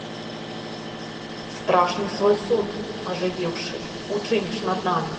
Страшны свой суд, ажывіўшы, учыніш над намі.